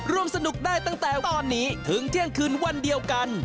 ร่วมสนุกได้ตั้งแต่ตอนนี้ถึงเที่ยงคืนวันเดียวกัน